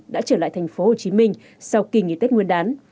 đã trở lại thành phố hồ chí minh sau kỳ nghỉ tết nguyên đán